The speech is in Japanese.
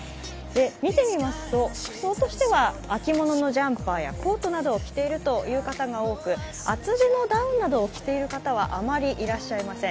見てみますと、服装としては秋物のジャンパーやコートを着ている方が多く厚手のダウンなどを着ている方はあまりいらっしゃいません。